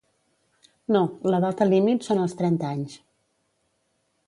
No, la data límit son els trenta anys.